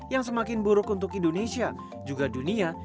yang semakin buruk untuk indonesia juga dunia